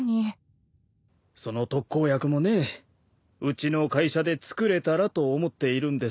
その特効薬もねうちの会社でつくれたらと思っているんです。